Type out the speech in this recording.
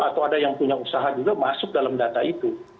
atau ada yang punya usaha juga masuk dalam data itu